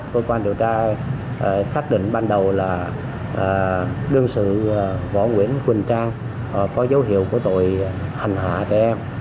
cơ quan điều tra xác định ban đầu là đương sự võ nguyễn quỳnh trang có dấu hiệu của tội hành hạ trẻ em